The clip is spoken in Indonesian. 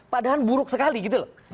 padahal buruk sekali gitu loh